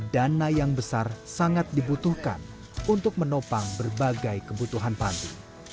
dana yang besar sangat dibutuhkan untuk menopang berbagai kebutuhan panti